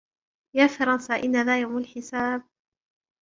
يا فرنسا إن ذا يوم الحساب